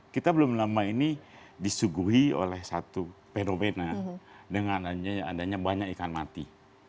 kita belum lama ini disuguhi oleh satu fenomena dengan adanya banyak ikan mati